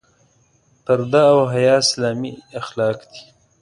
پرده او حیا اسلامي اخلاق دي.